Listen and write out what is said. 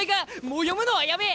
もう読むのはやめ！